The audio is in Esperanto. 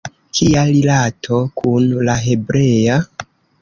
Kia rilato kun la hebrea?